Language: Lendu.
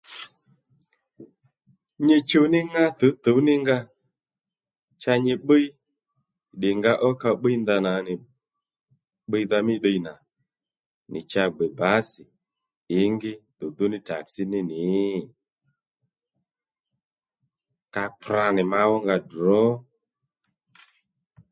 Nyi chuw ní ŋá tǔwtǔw ní nga cha nyi bbíy ddìynga ó ka bbíy ndanà nì bbíydha mí ddiy nà nì cha gbè bǎsì ǐngí dùdú ní taksí mà ní nì? ka kpra nì ma ónga drǒ